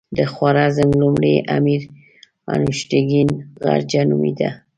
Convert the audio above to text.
د خوارزم لومړی امیر انوشتګین غرجه نومېده.